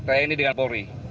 tni dengan kapolri